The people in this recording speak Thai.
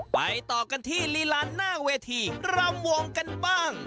ไปต่อกันที่ลีลาหน้าเวทีรำวงกันบ้าง